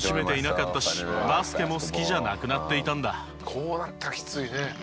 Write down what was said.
「こうなったらきついね」